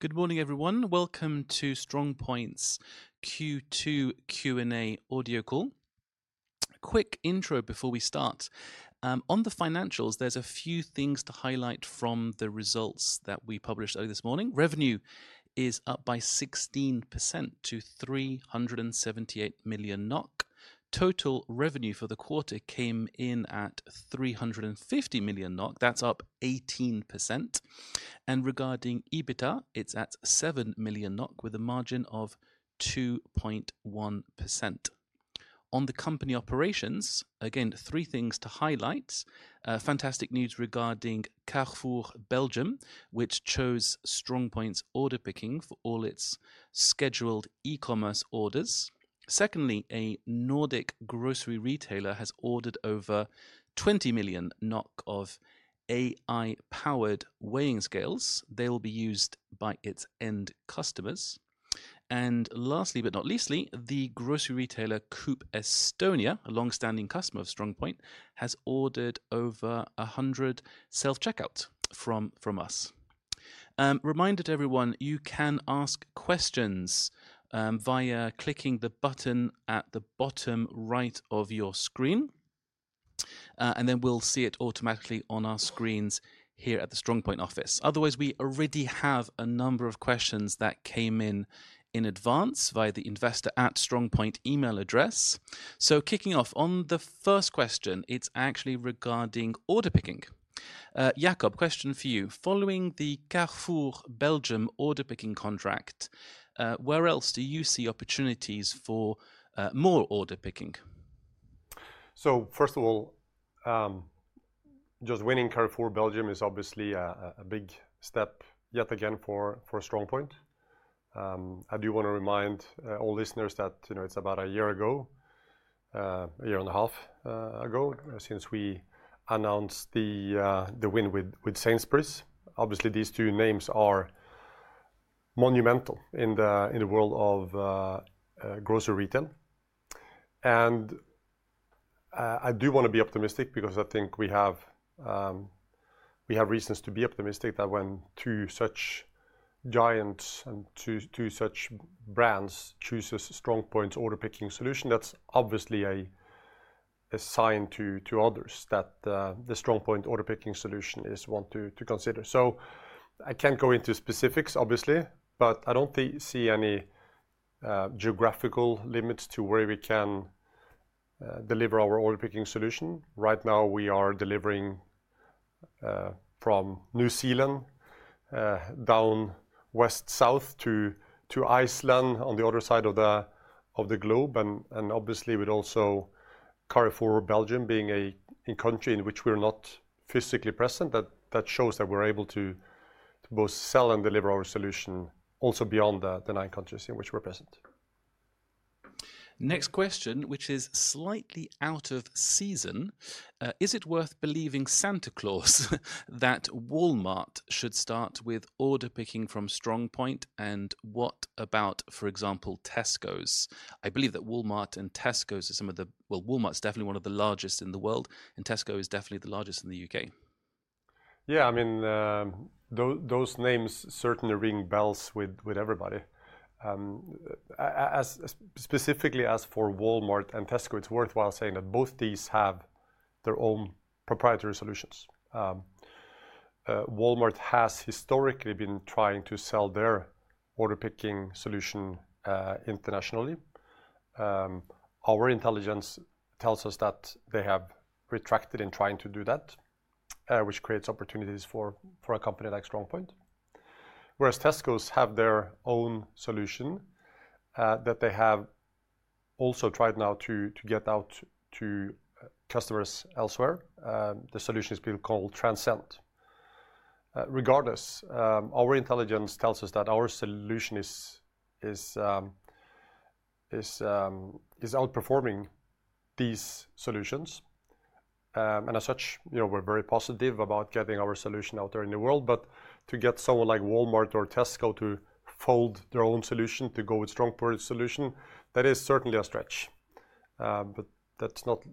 Good morning, everyone. Welcome to StrongPoint's Q2 Q&A Audio Call. Quick intro before we start. On the financials, there's a few things to highlight from the results that we published early this morning. Revenue is up by 16% to 378 million NOK. Total revenue for the quarter came in at 350 million NOK. That's up 18%. Regarding EBITDA, it's at 7 million NOK with a margin of 2.1%. On the company operations, again, three things to highlight. Fantastic news regarding Carrefour Belgium, which chose StrongPoint's order picking for all its scheduled e-commerce orders. Secondly, a Nordic grocery retailer has ordered over 20 million NOK of AI-powered weighing scales. They will be used by its end customers. Lastly, the grocery retailer Coop Estonia, a longstanding customer of StrongPoint, has ordered over 100 self-checkouts from us. Reminder to everyone, you can ask questions via clicking the button at the bottom right of your screen, and then we'll see it automatically on our screens here at the StrongPoint office. Otherwise, we already have a number of questions that came in in advance via the investor@strongpoint email address. Kicking off, on the first question, it's actually regarding order picking. Jacob, question for you. Following the Carrefour Belgium order picking contract, where else do you see opportunities for more order picking? First of all, just winning Carrefour Belgium is obviously a big step yet again for StrongPoint. I do want to remind all listeners that it's about a year ago, a year and a half ago, since we announced the win with Sainsbury's. Obviously, these two names are monumental in the world of grocery retail. I do want to be optimistic because I think we have reasons to be optimistic that when two such giants and two such brands choose a StrongPoint order picking solution, that's obviously a sign to others that the StrongPoint order picking solution is one to consider. I can't go into specifics, obviously, but I don't see any geographical limits to where we can deliver our order picking solution. Right now, we are delivering from New Zealand down west-south to Iceland on the other side of the globe. Obviously, with also Carrefour Belgium being a country in which we're not physically present, that shows that we're able to both sell and deliver our solution also beyond the nine countries in which we're present. Next question, which is slightly out of season. Is it worth believing Santa Claus that Walmart should start with order picking from StrongPoint? What about, for example, Tesco? I believe that Walmart and Tesco are some of the, Walmart's definitely one of the largest in the world, and Tesco is definitely the largest in the U.K. Yeah, I mean, those names certainly ring bells with everybody. Specifically, as for Walmart and Tesco, it's worthwhile saying that both of these have their own proprietary solutions. Walmart has historically been trying to sell their order picking solution internationally. Our intelligence tells us that they have retracted in trying to do that, which creates opportunities for a company like StrongPoint. Whereas Tesco has their own solution that they have also tried now to get out to customers elsewhere. The solution is being called Transcend. Regardless, our intelligence tells us that our solution is outperforming these solutions. As such, you know, we're very positive about getting our solution out there in the world. To get someone like Walmart or Tesco to fold their own solution to go with StrongPoint's solution, that is certainly a stretch. That is not,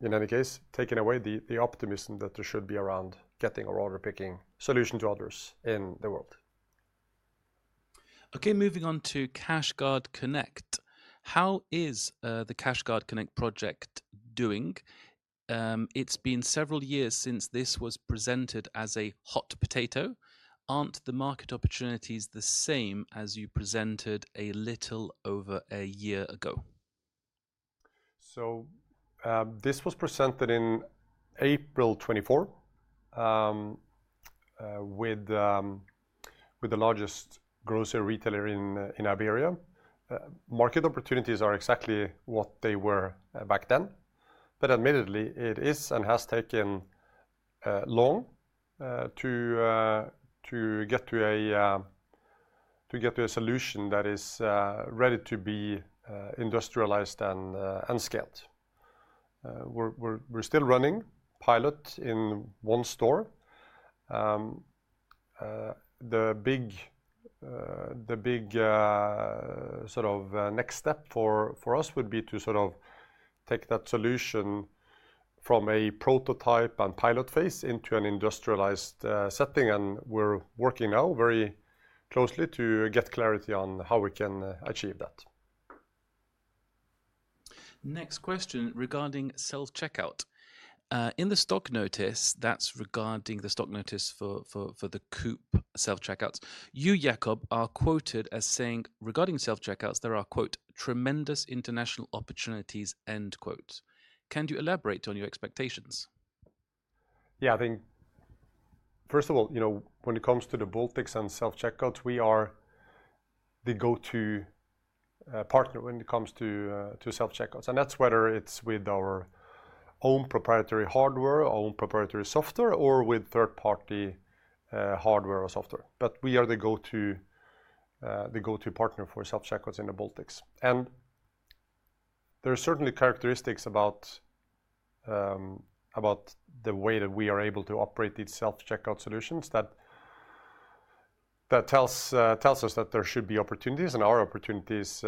in any case, taking away the optimism that there should be around getting our order picking solution to others in the world. Okay, moving on to CashGuard Connect. How is the CashGuard Connect project doing? It's been several years since this was presented as a hot potato. Aren't the market opportunities the same as you presented a little over a year ago? This was presented in April 2024 with the largest grocery retailer in Iberia. Market opportunities are exactly what they were back then. It is and has taken long to get to a solution that is ready to be industrialized and scaled. We're still running pilot in one store. The big sort of next step for us would be to take that solution from a prototype and pilot phase into an industrialized setting. We're working now very closely to get clarity on how we can achieve that. Next question regarding self-checkout. In the stock notice, that's regarding the stock notice for the Coop Estonia self-checkouts, you, Jacob, are quoted as saying, regarding self-checkouts, there are "tremendous international opportunities." Can you elaborate on your expectations? Yeah, I think first of all, when it comes to the Baltics and self-checkouts, we are the go-to partner when it comes to self-checkouts. That's whether it's with our own proprietary hardware, own proprietary software, or with third-party hardware or software. We are the go-to partner for self-checkouts in the Baltics. There are certainly characteristics about the way that we are able to operate these self-checkout solutions that tell us that there should be opportunities and are opportunities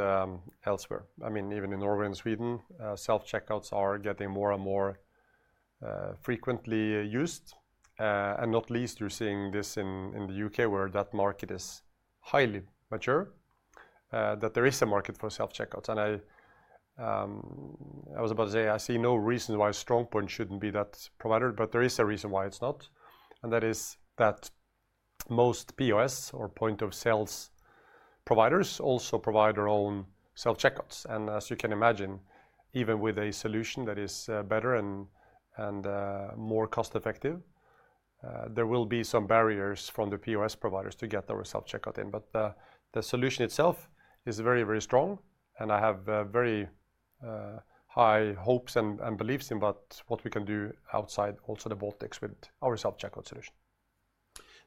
elsewhere. I mean, even in Norway and Sweden, self-checkouts are getting more and more frequently used. Not least, you're seeing this in the U.K. where that market is highly mature, that there is a market for self-checkouts. I was about to say I see no reason why StrongPoint shouldn't be that provider, but there is a reason why it's not. That is that most POS or point of sales providers also provide their own self-checkouts. As you can imagine, even with a solution that is better and more cost-effective, there will be some barriers from the POS providers to get our self-checkout in. The solution itself is very, very strong. I have very high hopes and beliefs in what we can do outside also the Baltics with our self-checkout solution.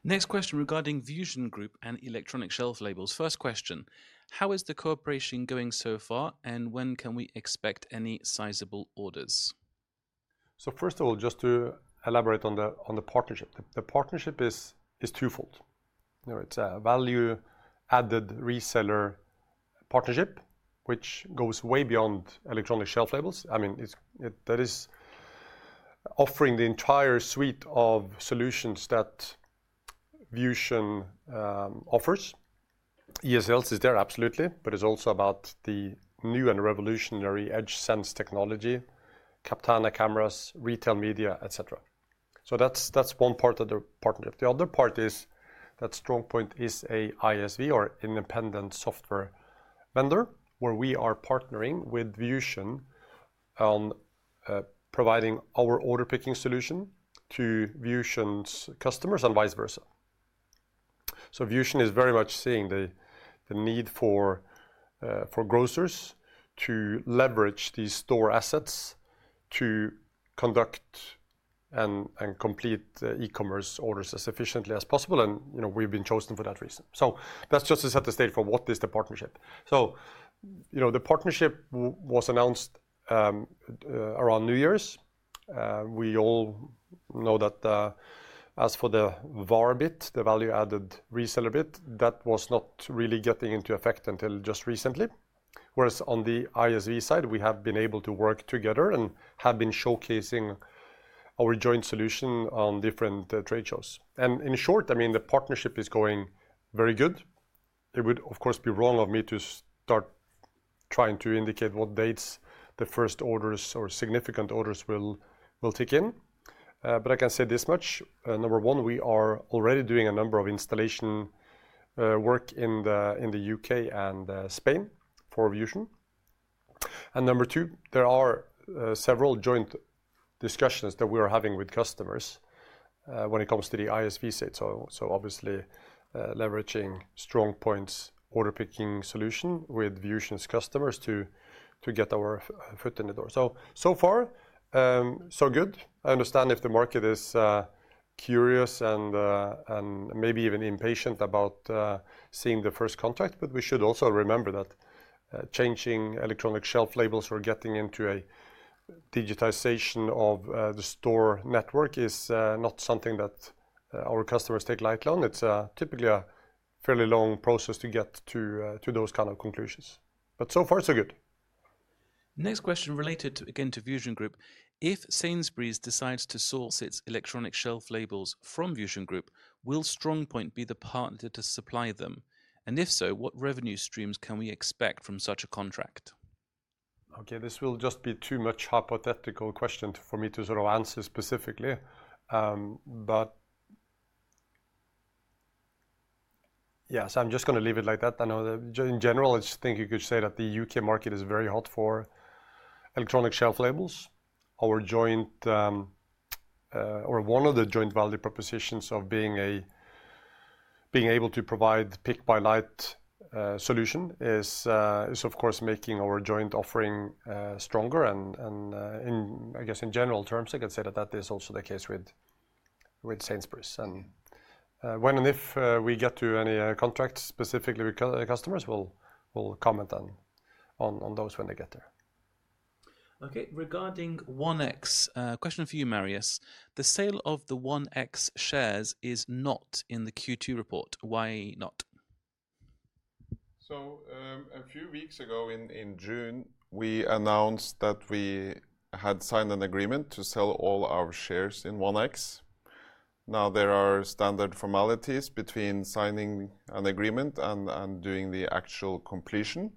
Next question regarding VusionGroup and electronic shelf labels. First question, how is the cooperation going so far, and when can we expect any sizable orders? First of all, just to elaborate on the partnership. The partnership is twofold. It's a value-added reseller partnership, which goes way beyond electronic shelf labels. That is offering the entire suite of solutions that Vusion offers. ESL is there, absolutely, but it's also about the new and revolutionary EdgeSense technology, Captana cameras, retail media, etc. That's one part of the partnership. The other part is that StrongPoint is an independent software vendor where we are partnering with Vusion on providing our order picking solution to Vusion's customers and vice versa. Vusion is very much seeing the need for grocers to leverage these store assets to conduct and complete e-commerce orders as efficiently as possible. We've been chosen for that reason. That's just to set the stage for what is the partnership. The partnership was announced around New Year's. We all know that as for the value-added reseller bit, that was not really getting into effect until just recently. Whereas on the independent software vendor side, we have been able to work together and have been showcasing our joint solution at different trade shows. In short, the partnership is going very good. It would, of course, be wrong of me to start trying to indicate what dates the first orders or significant orders will kick in. I can say this much. Number one, we are already doing a number of installation work in the U.K. and Spain for Vusion. Number two, there are several joint discussions that we are having with customers when it comes to the independent software vendor side. Obviously, leveraging StrongPoint's order picking solution with Vusion's customers to get our foot in the door. So far, so good. I understand if the market is curious and maybe even impatient about seeing the first contact, but we should also remember that changing electronic shelf labels or getting into a digitization of the store network is not something that our customers take lightly on. It's typically a fairly long process to get to those kinds of conclusions. So far, so good. Next question related, again, to VusionGroup. If Sainsbury's decides to source its electronic shelf labels from VusionGroup, will StrongPoint be the partner to supply them? If so, what revenue streams can we expect from such a contract? Okay, this will just be too much of a hypothetical question for me to sort of answer specifically. Yes, I'm just going to leave it like that. I know that in general, I think you could say that the U.K. market is very hot for electronic shelf labels. Our joint, or one of the joint value propositions of being able to provide pick-by-light solution is, of course, making our joint offering stronger. I guess in general terms, I can say that that is also the case with Sainsbury's. When and if we get to any contracts specifically with customers, we'll comment on those when they get there. Okay, regarding 1X, question for you, Marius. The sale of the 1X shares is not in the Q2 report. Why not? A few weeks ago in June, we announced that we had signed an agreement to sell all our shares in 1X. There are standard formalities between signing an agreement and doing the actual completion.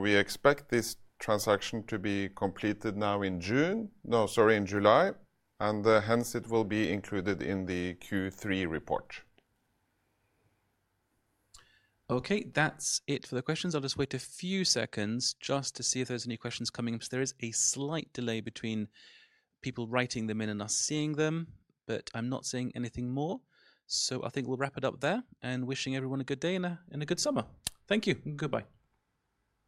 We expect this transaction to be completed now in July, and hence, it will be included in the Q3 report. Okay, that's it for the questions. I'll just wait a few seconds to see if there's any questions coming in because there is a slight delay between people writing them in and us seeing them. I'm not seeing anything more. I think we'll wrap it up there and wishing everyone a good day and a good summer. Thank you. Goodbye.